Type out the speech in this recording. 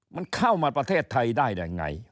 มันเข้ามาประเทศไทยได้ยังไง